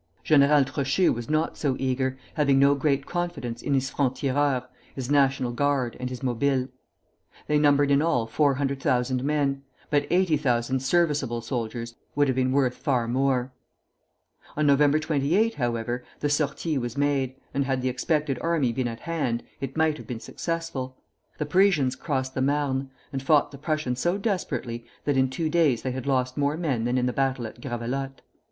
General Trochu was not so eager, having no great confidence in his francs tireurs, his National Guard, and his Mobiles. They numbered in all four hundred thousand men; but eighty thousand serviceable soldiers would have been worth far more. On November 28, however, the sortie was made; and had the expected army been at hand, it might have been successful. The Parisians crossed the Marne, and fought the Prussians so desperately that in two days they had lost more men than in the battles at Gravelotte.